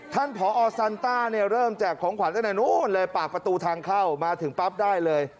ผอซันต้าเนี่ยเริ่มแจกของขวัญตั้งแต่นู้นเลยปากประตูทางเข้ามาถึงปั๊บได้เลย